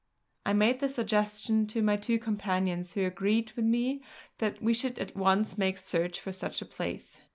I made the suggestion to my two companions, who agreed with me that we should at once make search for such a place.